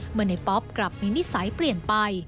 เมื่อในป๊อปกลับมีนิสัยเปลี่ยนไป